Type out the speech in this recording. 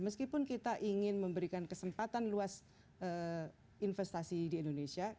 meskipun kita ingin memberikan kesempatan luas investasi di indonesia